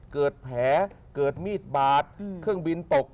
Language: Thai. เกิดแผลเกิดมีดบาดเครื่องบินตก